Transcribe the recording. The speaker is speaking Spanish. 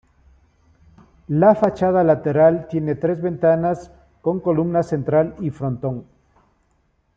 La fachada lateral tiene tres ventanas con columna central y frontón.